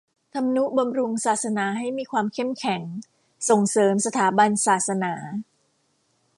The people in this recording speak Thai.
ทำนุบำรุงศาสนาให้มีความเข้มแข็ง ส่งเสริมสถาบันศาสนา